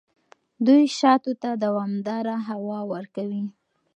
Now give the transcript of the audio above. دوی شاتو ته دوامداره هوا ورکوي.